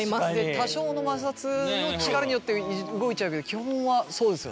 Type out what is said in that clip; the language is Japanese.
多少の摩擦の力によって動いちゃうけど基本はそうですよね。